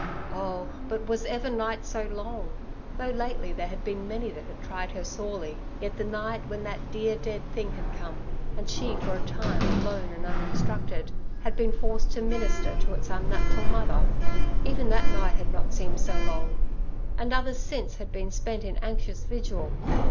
Oh, but was ever night so long? Though lately there had been many that had tried her sorely, yet the night when that dear dead thing had come, and she, for a time alone and uninstructed, had been forced to minister to its unnatural mother, even that night had not seemed so long; and others since had been spent in anxious vigil.